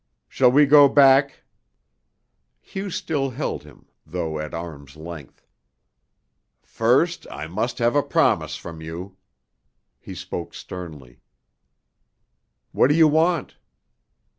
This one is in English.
"Shall we go back?" Hugh still held him, though at arm's length. "First I must have a promise from you." He spoke sternly. "What do you want?"